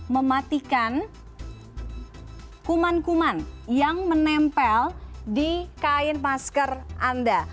mematikan kuman kuman yang menempel di kain masker anda